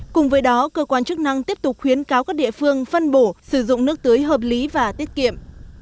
cùng với đó cơ quan chức năng tiếp tục khuyến cáo các địa phương phân bổ sử dụng nước tưới hợp lý và tiết kiệm